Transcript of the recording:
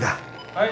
はい！